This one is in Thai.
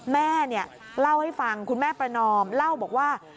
แม่เล่าให้ฟังคุณแม่ประนอมเล่าบอกว่า